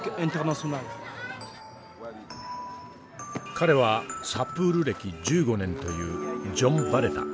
彼はサプール歴１５年というジョン・バレタ。